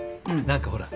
何かほら。